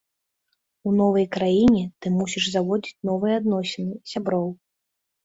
У новай краіне ты мусіш заводзіць новыя адносіны, сяброў.